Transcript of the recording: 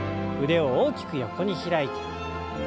腕を大きく横に開いて。